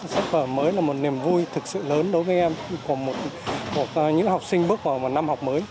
sách vở mới là một niềm vui thực sự lớn đối với em của những học sinh bước vào một năm học mới